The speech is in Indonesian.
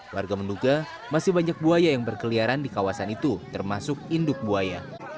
warga menduga masih banyak buaya yang berkeliaran di kawasan itu termasuk induk buaya